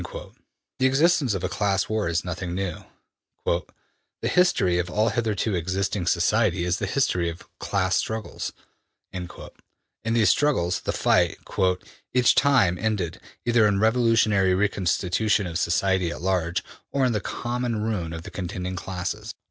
'' The existence of a class war is nothing new: ``The history of all hitherto existing society is the history of class struggles.'' In these struggles the fight ``each time ended, either in a revolutionary re constitution of society at large, or in the common ruin of the contending classes.''